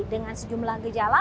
dengan sejumlah gejala